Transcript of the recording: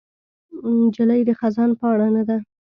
نجلۍ د خزان پاڼه نه ده.